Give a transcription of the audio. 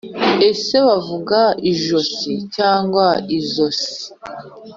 Ese bavuga ijosi cyangwa izosi